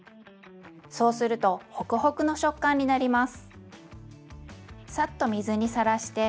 そうするとホクホクの食感になります。